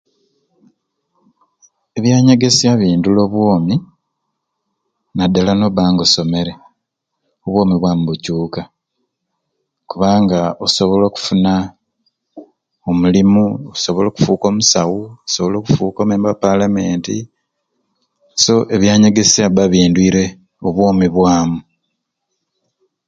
Ebyanyegesya bindula obwoomi nadala nobba nga osomereku obwoomi bwamu bucuuka kubanga osobola okufuna omulimu okusobola okufuuka omusawu okusobola okufuuka o memba wa palamenti so ebyanyegesya bibba bindwiire obwoomi bwamu.